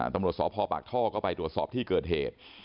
ตำรวจสพปากท่อก็ไปตรวจสอบที่เกิดเหตุ